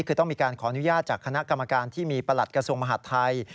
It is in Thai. คือต้องมีการขออนุญาตจากคณะกรรมการที่มีประหลัดกระทรวงมหาดไทย